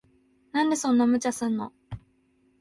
なんでそんな無茶すんの。